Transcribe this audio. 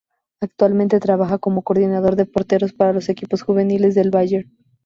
Actualmente trabaja como coordinador de porteros para los equipos juveniles del Bayern.